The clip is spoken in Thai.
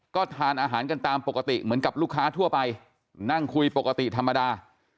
ก็ทานอาหารกันตามปกติเหมือนกับลูกค้าทั่วไปนั่งคุยปกติธรรมดา